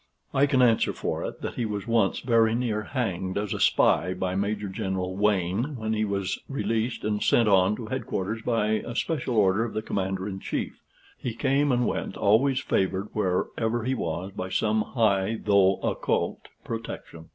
I can answer for it, that he was once very near hanged as a spy by Major General Wayne, when he was released and sent on to head quarters by a special order of the Commander in Chief. He came and went, always favored, wherever he was, by some high though occult protection.